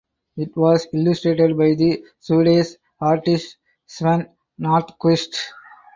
It was illustrated by the Swedish artist Sven Nordqvist.